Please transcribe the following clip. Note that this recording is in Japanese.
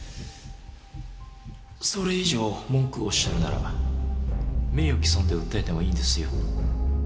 それ以上文句をおっしゃるなら名誉毀損で訴えてもいいんですよ？